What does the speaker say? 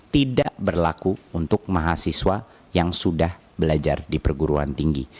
tidak berlaku untuk mahasiswa yang sudah belajar di perguruan tinggi